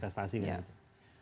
pasti sudah ada investasi